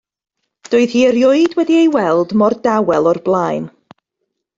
Doedd hi erioed wedi'i weld mor dawel o'r blaen.